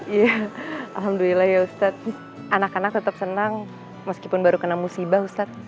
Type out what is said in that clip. ya alhamdulillah ya ustadz anak anak tetap senang meskipun baru kena musibah ustadz